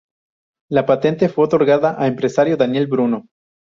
La patente fue otorgada a empresario Daniel Bruno.